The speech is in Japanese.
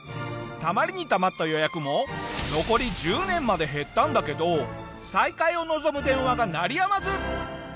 たまりにたまった予約も残り１０年まで減ったんだけど再開を望む電話が鳴り止まず！